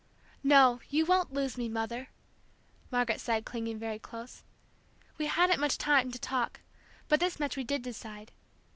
"No, you won't lose me, Mother," Margaret said, clinging very close. "We hadn't much time to talk, but this much we did decide.